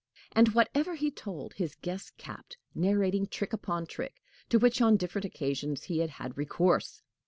And whatever he told, his guest capped, narrating trick upon trick to which on different occasions he had had recourse.